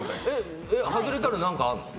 外れたら何かあるの？